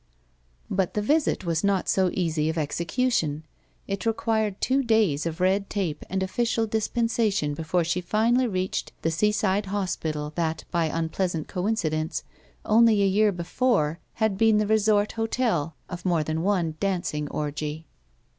But the visit was not so easy of execution. It required two days of red tape and oflBcial dispensa tion before she finally reached the seaside hospital that, by unpleasant coincidence, only a year before had been the resort hotel of more than one dancing orgy.